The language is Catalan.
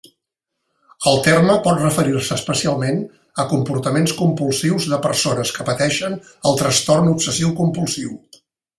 El terme pot referir-se especialment a comportaments compulsius de persones que pateixen el trastorn obsessiu-compulsiu.